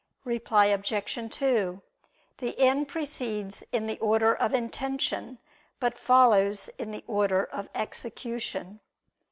Reply Obj. 2: The end precedes in the order of intention, but follows in the order of execution.